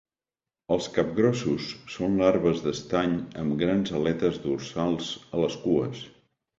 Els capgrossos són larves d'estany amb grans aletes dorsals a les cues.